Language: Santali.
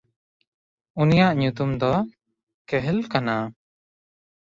ᱩᱱᱤᱭᱟᱜ ᱧᱩᱛᱩᱢ ᱫᱚ ᱠᱮᱦᱞ ᱠᱟᱱᱟ᱾